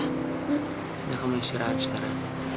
kamu gak boleh istirahat sekarang